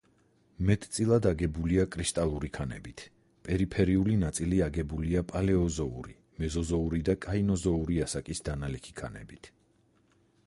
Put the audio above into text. მეტწილად აგებულია კრისტალური ქანებით, პერიფერიული ნაწილი აგებულია პალეოზოური, მეზოზოური და კაინოზოური ასაკის დანალექი ქანებით.